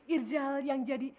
irza yang jadi